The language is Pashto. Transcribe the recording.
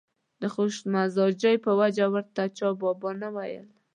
د خوش مزاجۍ په وجه ورته چا بابا نه ویل.